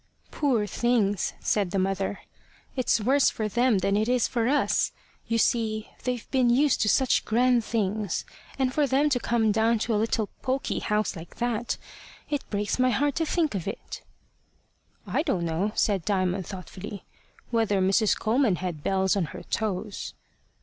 "Poor things!" said the mother. "it's worse for them than it is for us. You see they've been used to such grand things, and for them to come down to a little poky house like that it breaks my heart to think of it." "I don't know" said Diamond thoughtfully, "whether Mrs. Coleman had bells on her toes."